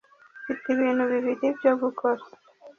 Mfite ibintu bibiri byo gukora